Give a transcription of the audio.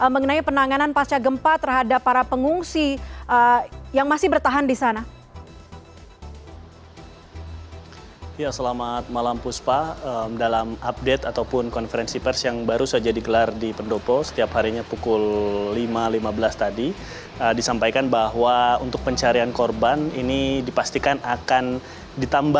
mengenai penanganan pasca gempa terhadap para pengungsi yang masih bertahan di sana